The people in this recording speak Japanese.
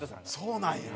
そうなんや。